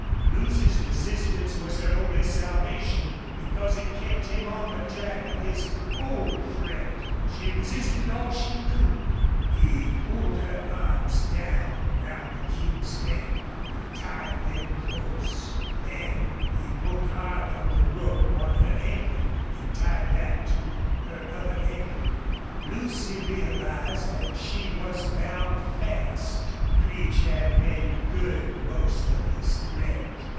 Lucy's resistance was her only salvation, because it kept him on the track of his old threat. She resisted all she could. He pulled her arms down round the King's neck and tied them close. Then he pulled hard on the rope on her ankle and tied that to her other ankle. Lucy realized that she was bound fast. Creech had made good most of his threat.